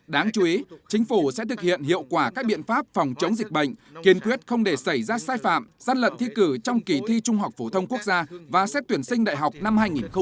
đáng chú ý chính phủ sẽ thực hiện hiệu quả các biện pháp phòng chống dịch bệnh kiên quyết không để xảy ra sai phạm giăn lận thi cử trong kỳ thi trung học phổ thông quốc gia và xét tuyển sinh đại học năm hai nghìn hai mươi